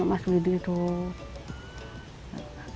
kalau berhasil saya kasih uang